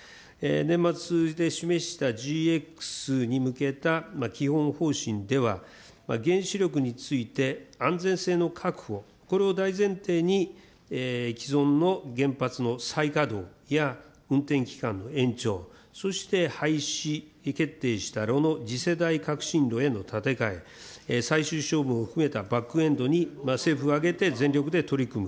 年末数字で示したＧＸに向けた基本方針では、原子力について、安全性の確保、これを大前提に、既存の原発の再稼働や運転期間の延長、そして廃止決定した炉の次世代革新炉への建て替え、最終処分を含めたバックエンドに政府を挙げて全力で取り組む。